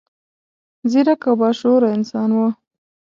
ځیرک او با شعوره انسان و.